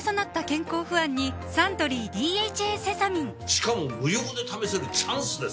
しかも無料で試せるチャンスですよ